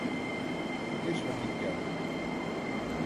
Geç vakit geldim…